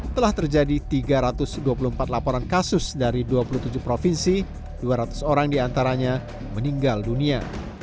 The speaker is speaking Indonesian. telah terjadi tiga ratus dua puluh empat laporan kasus dari dua puluh tujuh provinsi dua ratus orang diantaranya meninggal dunia